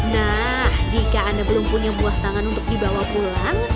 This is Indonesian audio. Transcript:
nah jika anda belum punya buah tangan untuk dibawa pulang